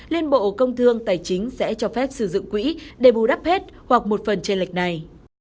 liên bộ công thương tài chính sẽ cho phép sử dụng quỹ để bù đắp hết hoặc một phần trên lệch này